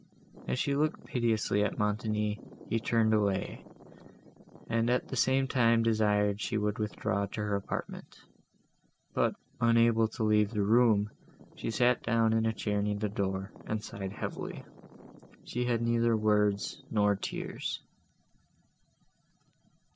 As she looked piteously at Montoni, he turned away, and at the same time desired she would withdraw to her apartment; but, unable to leave the room, she sat down in a chair near the door, and sighed heavily. She had neither words nor tears.